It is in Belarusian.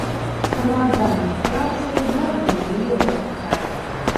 Самаадданай працай мы абнавілі родны край.